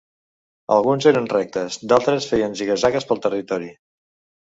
Alguns eren rectes, d'altres feien ziga-zagues pel territori.